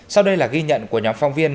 sau đây là ghi nhận của nhóm phong viên